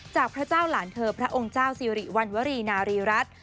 พระเจ้าหลานเธอพระองค์เจ้าสิริวัณวรีนารีรัฐ